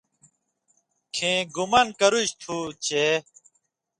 کھیں گُمان کرُژ تُھو چے